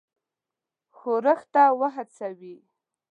ښورښ ته وهڅوي.